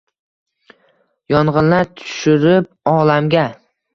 Yong’inlar tushirib olamga